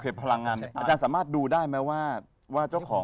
โอเคพลังงานอาจารย์สามารถดูได้ไหมว่าเจ้าของ